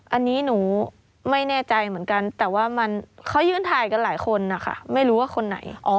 อันนี้หนูไม่แน่ใจเหมือนกันแต่ว่ามันเขายืนถ่ายกันหลายคนนะคะไม่รู้ว่าคนไหน